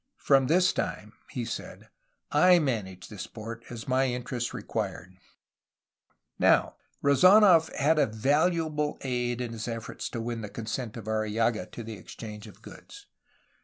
"From this time," he said, "I managed this port ... as my in terests required." Now, Rezdnof had valuable aid in his efforts to win the con sent of Arrillaga to the exchange of goods.